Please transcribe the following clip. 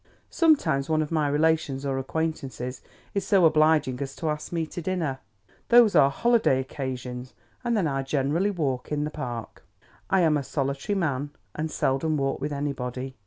Sometimes, one of my relations or acquaintances is so obliging as to ask me to dinner. Those are holiday occasions, and then I generally walk in the Park. I am a solitary man, and seldom walk with anybody.